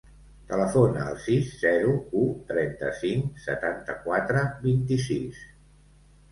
Telefona al sis, zero, u, trenta-cinc, setanta-quatre, vint-i-sis.